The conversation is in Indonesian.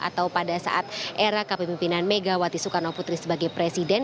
atau pada saat era kepemimpinan megawati soekarno putri sebagai presiden